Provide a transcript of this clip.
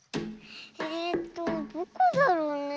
えっとどこだろうねえ。